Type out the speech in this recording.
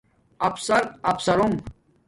افسراافسرُنگ